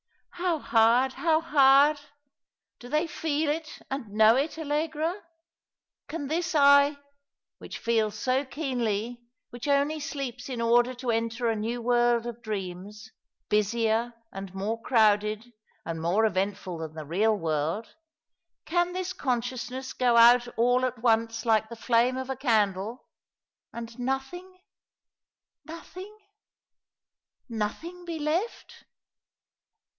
" How hard, how hard ! Do they feel it and know it, Allegra ? Can this I — which feels so keenly, which only sleeps in order to enter a new world of dreams — busier and more crowded and more eventful than the real world— can this consciousness go out all at once like the flame of a candle — and nothing, nothing, nothing be left?"